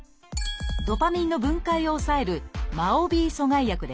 ドパミンの分解を抑える「ＭＡＯ−Ｂ阻害薬」です。